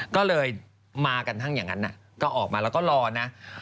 ก็เลยมากันทั้งอย่างนั้นก็ออกมาแล้วก็รอนะ